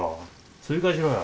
追加しろよ。